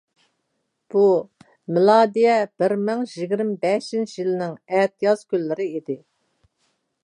بۇ مىلادىيە بىر مىڭ يىگىرمە بەشىنچى يىلنىڭ ئەتىياز كۈنلىرى ئىدى.